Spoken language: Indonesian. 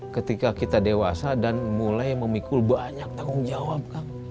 ketika kita dewasa dan mulai memikul banyak tanggung jawab kang